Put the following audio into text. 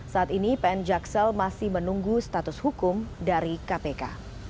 saat ini pn jaksel masih menunggu status hukum dari kpk